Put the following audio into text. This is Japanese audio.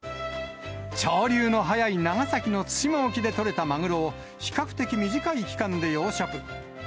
潮流の速い長崎の対馬沖で取れたマグロを、比較的短い期間で養殖。